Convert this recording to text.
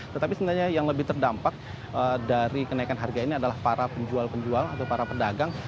tetapi sebenarnya yang lebih terdampak dari kenaikan harga ini adalah para penjual penjual atau para pedagang